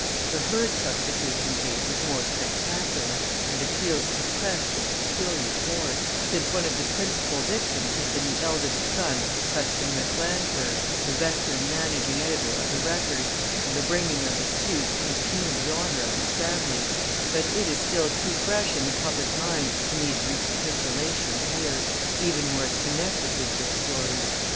The Hurd substitution case was more spectacular, and appealed to the press with peculiar force, since one of the principal victims had been the eldest son of Preston McLandberg, the veteran managing editor of the Record, and the bringing of the suit impugned the honor of his family but it is still too fresh in the public mind to need recapitulation here, even were it connected with this story.